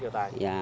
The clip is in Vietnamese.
chích vô tài